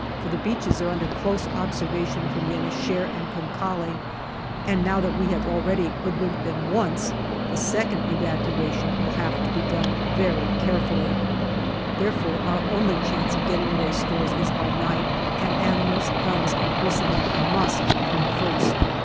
For the beaches are under close observation from Yen i Shehr and Kum Kale, and now that we have already hoodwinked them once, the second evacuation will have to be done very carefully. Therefore our only chance of getting away stores is by night, and animals, guns, and personnel must come first.